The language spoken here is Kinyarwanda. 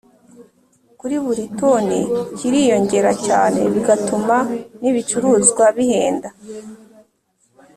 kuri buri toni kiriyongera cyane bigatuma n'ibicuruzwa bihenda.